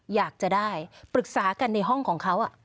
อยากจะได้ปรึกษากันในห้องของเขา